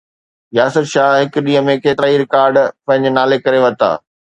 ياسر شاهه هڪ ڏينهن ۾ ڪيترائي رڪارڊ پنهنجي نالي ڪري ورتا